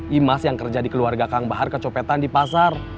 imas yang kerja di keluarga kang bahar kecopetan di pasar